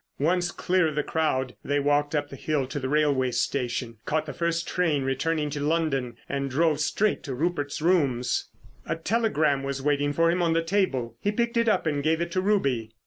Once clear of the crowd they walked up the hill to the railway station, caught the first train returning to London, and drove straight to Rupert's rooms. A telegram was waiting for him on the table. He picked it up and gave it to Ruby.